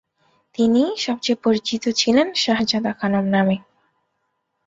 তিনি সবচেয়ে পরিচিত ছিলেন শাহজাদা খানম নামে।